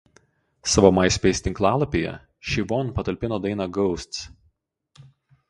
Savo „MySpace“ tinklalapyje Siobhan patalpino dainą „Ghosts“.